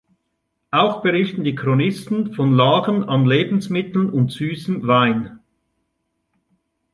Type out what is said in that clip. Auch berichten die Chronisten von Lagern an Lebensmitteln und süßem Wein.